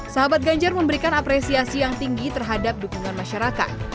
sahabat ganjar memberikan apresiasi yang tinggi terhadap dukungan masyarakat